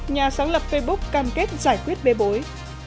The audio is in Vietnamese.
nhà sáng lập facebook cam kết giải quyết bê bối